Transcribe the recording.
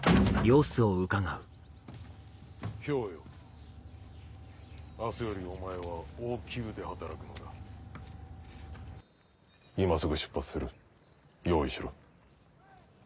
明日よりお前は王宮で働くのだ・今すぐ出発する用意しろ。